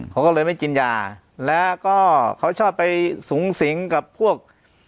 เขาก็เลยไม่กินยาแล้วก็เขาชอบไปสูงสิงกับพวก